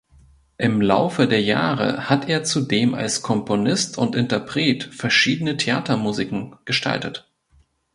Im Laufe der Jahre hat er zudem als Komponist und Interpret verschiedene Theatermusiken gestaltet.